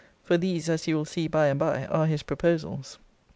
for these, as you will see by and by, are his proposals.